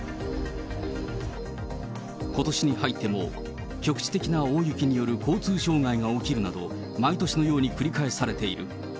ことしに入っても、局地的な大雪による交通障害が起きるなど、毎年のように繰り返されている。